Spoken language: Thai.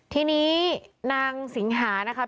ทีนี้นางสิงหานะครับ